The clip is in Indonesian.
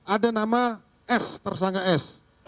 ada nama s tersangka s